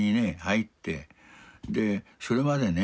それまでね